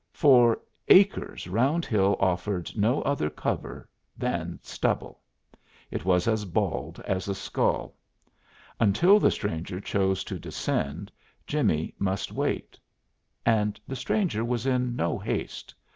For acres Round Hill offered no other cover than stubble. It was as bald as a skull. Until the stranger chose to descend, Jimmie must wait. And the stranger was in no haste.